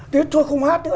thế tớ không hát nữa